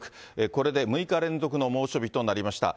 これで６日連続の猛暑日となりました。